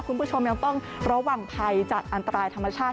คุณผู้ชมยังต้องระวังภัยจากอันตรายธรรมชาติ